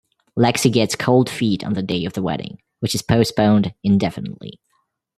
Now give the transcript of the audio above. Lexie gets cold feet on the day of the wedding, which is postponed indefinitely.